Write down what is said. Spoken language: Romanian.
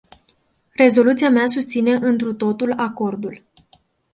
Rezoluția mea susține întru totul acordul.